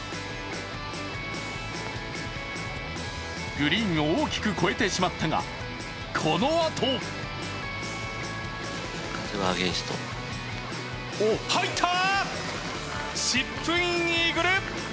グリーンを大きく越えてしまったが、このあとチップインイーグル！